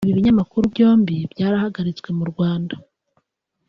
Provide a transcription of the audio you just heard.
Ibi binyamakuru byombi byarahagaritswe mu Rwanda